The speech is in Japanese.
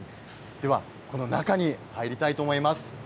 この中に入りたいと思います。